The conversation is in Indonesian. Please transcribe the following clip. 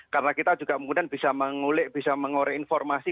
karena kita juga mungkin bisa mengulik bisa mengore informasi